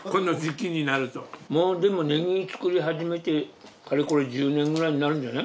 もうでもネギ作り始めてかれこれ１０年くらいになるんじゃない？